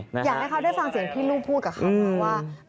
อยากให้เขาได้ฟังเสียงที่ลูกพูดกับเขาค่ะว่า